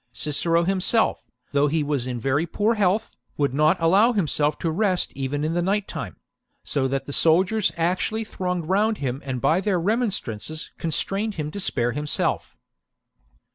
Cicero himself, though he was in very poor health, would not allow himself to rest even in the night time ; so that the soldiers actually thronged round him and by their remonstrances constrained him to spare himself.